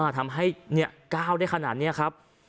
ทำให้ก้าวได้ขนาดนี้ครับ